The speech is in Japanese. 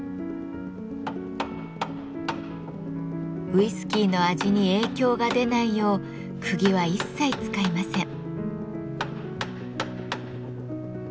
ウイスキーの味に影響が出ないようくぎは一切使いません。